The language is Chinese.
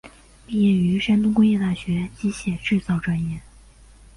毕业于山东工业大学机械制造专业。